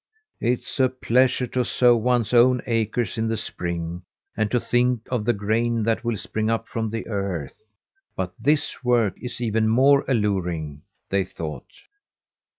"It's a pleasure to sow one's own acres in the spring, and to think of the grain that will spring up from the earth, but this work is even more alluring," they thought.